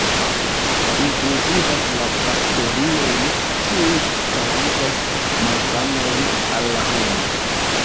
Inkluzivas la bakteriojn kiuj kaŭzas malsanojn al la homo.